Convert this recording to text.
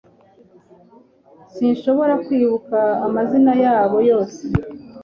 Sinshobora kwibuka amazina yabo yose